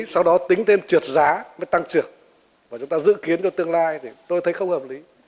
sau đó tính thêm trượt giá mới tăng trưởng và chúng ta dự kiến cho tương lai thì tôi thấy không hợp lý